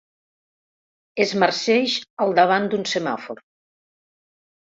Es marceix al davant d'un semàfor.